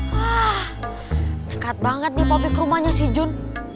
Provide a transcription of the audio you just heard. wah dekat banget nih popi ke rumahnya si jun